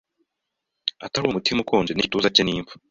atari Umutima ukonje nIgituza cye ni imva